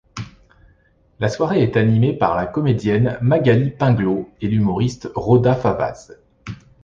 La soirée est animée par la comédienne Magali Pinglaut et l'humoriste Roda Fawaz.